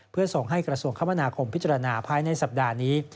เพื่อส่งให้กระทรวงคมนาคมพิจารณาภายในสัปดาห์นี้